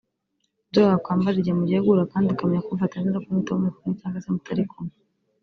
ibyo wakambara igihe mugiye guhura kandi ukamenya kumufata neza no kumwitaho muri kumwe cyangwa se mutari kumwe